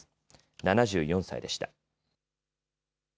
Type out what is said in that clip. ７４歳でした。